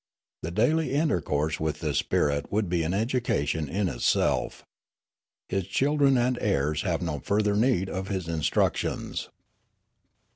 The daily intercourse with his spirit would be an education in itself. His children and heirs have no further need of his instructions.'